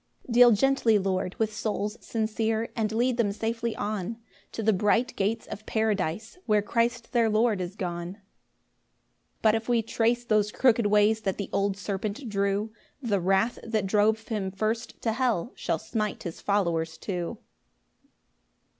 4 Deal gently, Lord, with souls sincere, And lead them safely on To the bright gates of Paradise, Where Christ their Lord is gone. 5 But if we trace those crooked ways That the old serpent drew, The wrath that drove him first to hell Shall smite his followers too.